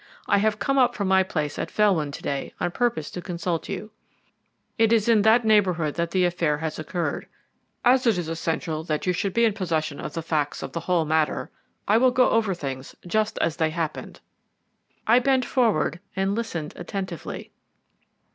"I have come up from my place at Felwyn to day on purpose to consult you. It is in that neighbourhood that the affair has occurred. As it is essential that you should be in possession of the facts of the whole matter, I will go over things just as they happened." I bent forward and listened attentively.